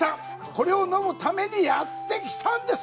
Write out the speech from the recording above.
これを飲むためにやってきたんです！